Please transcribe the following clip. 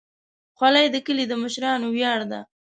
خولۍ د کلي د مشرانو ویاړ ده.